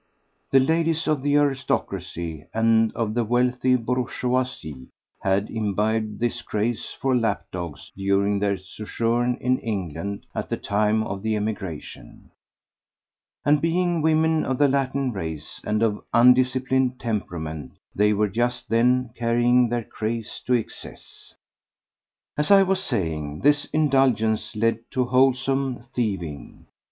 The ladies of the aristocracy and of the wealthy bourgeoisie had imbibed this craze for lap dogs during their sojourn in England at the time of the emigration, and being women of the Latin race and of undisciplined temperament, they were just then carrying their craze to excess. As I was saying, this indulgence led to wholesale thieving.